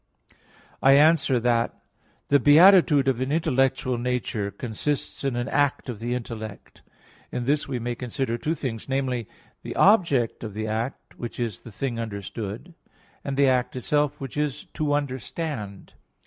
I answer that, The beatitude of an intellectual nature consists in an act of the intellect. In this we may consider two things, namely, the object of the act, which is the thing understood; and the act itself which is to understand.